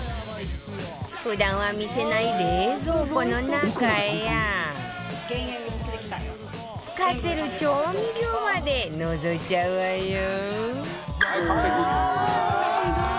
普段は見せない冷蔵庫の中や使っている調味料までのぞいちゃうわよ。